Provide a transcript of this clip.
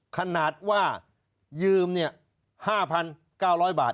ขนาดว่ายืมเนี่ย๕๙๐๐บาท